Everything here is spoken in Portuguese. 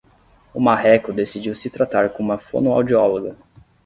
O marreco decidiu se tratar com uma fonoaudióloga